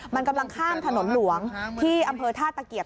มันกำลังข้ามถนนหลวงที่อำเภอท่าตะเกียบ